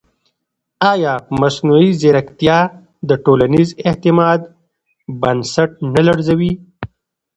ایا مصنوعي ځیرکتیا د ټولنیز اعتماد بنسټ نه لړزوي؟